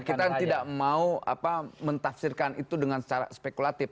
kita tidak mau mentafsirkan itu dengan secara spekulatif